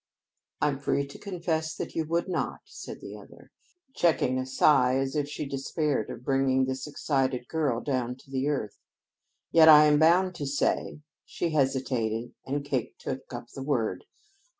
"I'm free to confess that you would not," said the other, checking a sigh as if she despaired of bringing this excited girl down to the earth. "Yet I am bound to say " She hesitated and Kate took up the word.